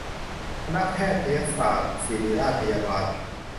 คณะแพทยศาสตร์ศิริราชพยาบาล